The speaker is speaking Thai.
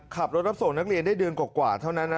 รับส่งนักเรียนได้เดือนกว่าเท่านั้นนะ